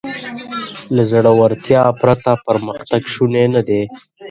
له زړهورتیا پرته پرمختګ شونی نهدی.